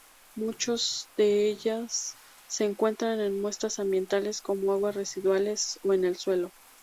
Muchos de ellas se encuentran en muestras ambientales como aguas residuales o el suelo.